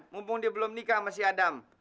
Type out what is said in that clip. mumpung dia belum nikah sama si adam